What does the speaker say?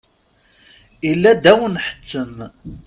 Ilad ad wen-nḥettem?